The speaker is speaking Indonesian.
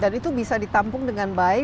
dan itu bisa ditampung dengan baik